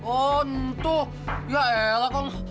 oh itu ya elah kong